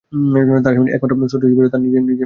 তার সামনে একমাত্র শত্রু হিসেবে ছিল তার নিজের মৃত্যু!